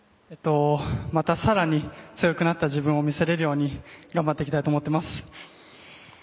また更に強くなった自分を見せられるように頑張っていきたいと思っています。